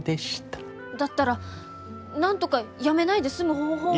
だったらなんとか辞めないで済む方法を。